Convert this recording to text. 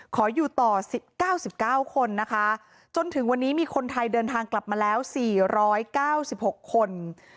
ขออยู่ต่อ๙๙คนนะคะจนถึงวันนี้มีคนไทยเดินทางกลับมาแล้ว๔๙๖คน